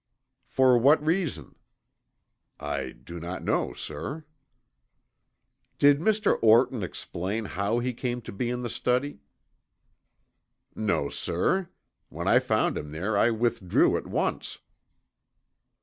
"For what reason?" "I do not know, sir." "Did Mr. Orton explain how he came to be in the study?" "No, sir. When I found him there I withdrew at once."